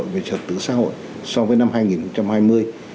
về trật tự xã hội so với năm hai nghìn hai mươi